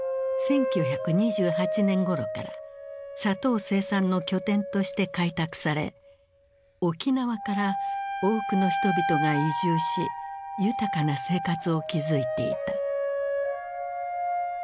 １９２８年ごろから砂糖生産の拠点として開拓され沖縄から多くの人々が移住し豊かな生活を築いていた。